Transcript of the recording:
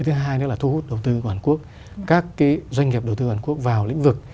thứ hai nữa là thu hút đầu tư của hàn quốc các doanh nghiệp đầu tư hàn quốc vào lĩnh vực